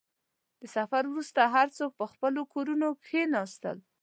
• د سفر وروسته، هر څوک په خپلو کورونو کښېناستل.